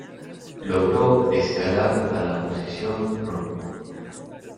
Logró escalar a la posición No.